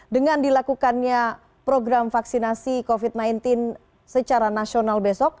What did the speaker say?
dengan dilakukannya program vaksinasi covid sembilan belas secara nasional besok